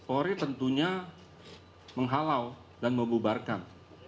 ori tentunya menghalau dan membubarkan